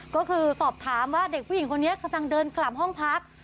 ก็คือสอบถามว่าเด็กผู้หญิงคนนี้กำลังเดินกลับห้องพัก